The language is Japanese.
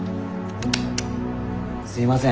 すいません。